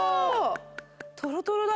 トロトロだ。